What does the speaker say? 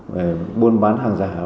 về buôn bán hàng giả và những